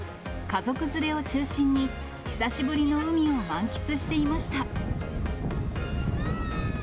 家族連れを中心に、久しぶりの海を満喫していました。